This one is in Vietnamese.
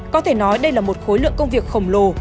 có thể nói đây là một khối lượng công việc khổng lồ